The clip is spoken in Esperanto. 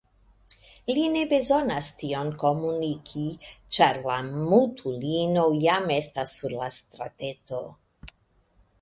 Li ne bezonas tion komuniki, ĉar la mutulino jam estas sur la strateto.